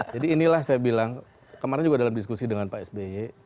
jadi inilah saya bilang kemarin juga dalam diskusi dengan pak sby